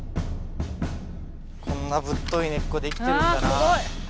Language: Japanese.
こんなぶっとい根っこできてるんだな。